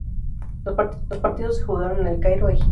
Los partidos se jugaron en El Cairo, Egipto.